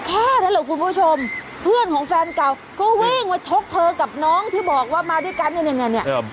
แค่นั้นเหรอคุณผู้ชมเพื่อนของแฟนเก่าก็วิ่งมาชกเธอกับน้องที่บอกว่ามาด้วยกันเนี่ย